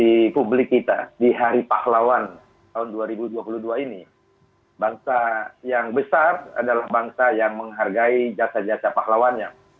di publik kita di hari pahlawan tahun dua ribu dua puluh dua ini bangsa yang besar adalah bangsa yang menghargai jasa jasa pahlawannya